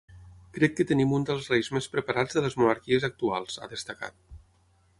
Crec que tenim un dels reis més preparats de les monarquies actuals, ha destacat.